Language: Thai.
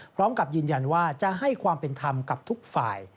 พร้อมกับยืนยันว่าจะให้ความเป็นธรรมกับทุกฝ่าย